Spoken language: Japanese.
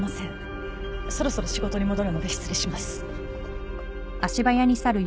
そろそろ仕事に戻るので失礼します。